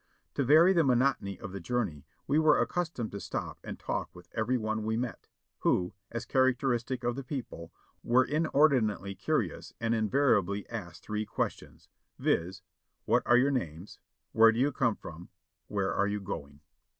To vary the monotony of the journey we were accustomed to stop and talk with every one we met, who, as characteristic of the people, were inordinately curious, and invariably asked three questions, viz : "What are your names? Where do you come from? Where are you going?"